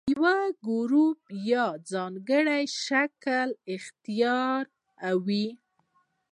د یو ګروپ یا څانګې شکل اختیاروي.